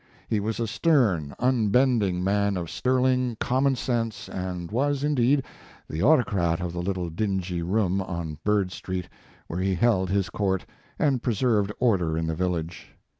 He wa^ a stern, unbending man of sterling, common sense, and was, indeed, the autocrat of the little dingy room on Bird street, where he held his court and preserved order in the village.